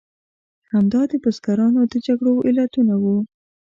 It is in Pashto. همدا د بزګرانو د جګړو علتونه وو.